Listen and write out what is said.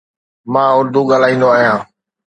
مان اردو ڳالهائيندو آهيان.